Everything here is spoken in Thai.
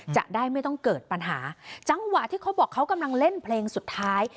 จะได้ไม่ต้องเกิดปัญหาจังหวะที่เขาบอกเขากำลังเล่นเพลงสุดท้าย